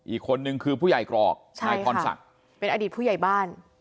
อีกคนนึงคือผู้ใหญ่กรอกนายพรศักดิ์เป็นอดีตผู้ใหญ่บ้าน